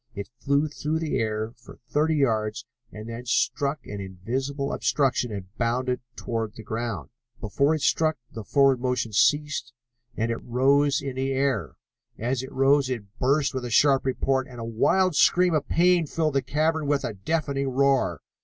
It flew through the air for thirty yards and then struck an invisible obstruction and bounded toward the ground. Before it struck the downward motion ceased, and it rose in the air. As it rose it burst with a sharp report, and a wild scream of pain filled the cavern with a deafening roar.